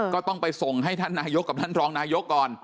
ก็ต้องไปส่งให้ท่านนายกกับท่านรองนายกก่อน